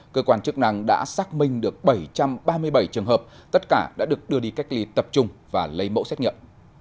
cơ quan chức năng đã xác minh được bảy trăm ba mươi bảy trường hợp tất cả đã được đưa đi cách ly tập trung và lấy mẫu xét nghiệm